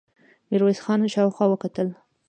ميرويس خان شاوخوا وکتل.